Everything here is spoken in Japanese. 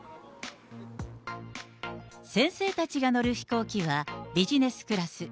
先生たちが乗る飛行機はビジネスクラス。